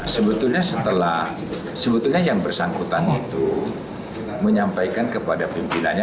sebetulnya setelah sebetulnya yang bersangkutan itu menyampaikan kepada pimpinannya